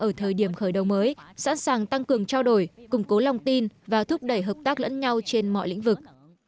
ở thời điểm khởi đầu mới sẵn sàng tăng cường trao đổi củng cố lòng tin và thúc đẩy hợp tác lẫn nhau trên mọi lĩnh vực